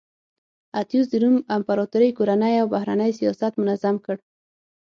اتیوس د روم امپراتورۍ کورنی او بهرنی سیاست منظم کړ